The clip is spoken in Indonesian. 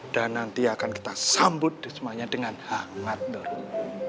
dan nanti akan kita sambut semuanya dengan hangat doro